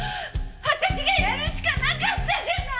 私がやるしかなかったじゃない！